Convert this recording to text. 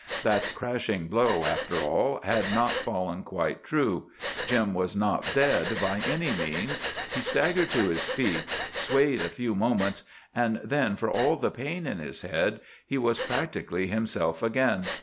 That crashing blow, after all, had not fallen quite true. Jim was not dead, by any means. He staggered to his feet, swayed a few moments, and then, for all the pain in his head, he was practically himself again.